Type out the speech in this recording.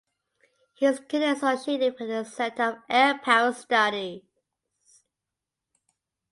He is currently associated with the Center of Air Power Studies.